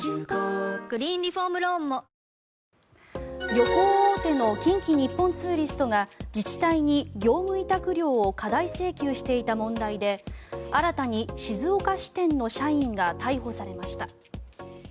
旅行大手の近畿日本ツーリストが自治体に業務委託料を過大請求していた問題で新たに静岡支店の社員が逮捕されました。